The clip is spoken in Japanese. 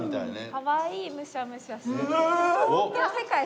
かわいいむしゃむしゃしてて。